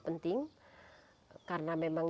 penting karena memang